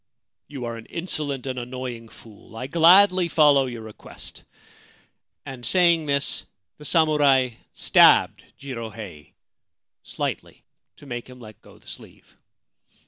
c You are an insolent and annoying fool : I gladly follow your request '; and saying this the samurai stabbed Jirohei slightly, to make him let go the sleeve.